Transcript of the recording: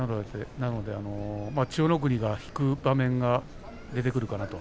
千代の国が引く場面が出てくるかなと。